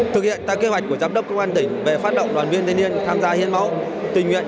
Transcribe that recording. thực hiện các kế hoạch của giám đốc công an tỉnh về phát động đoàn viên thanh niên tham gia hiến máu tình nguyện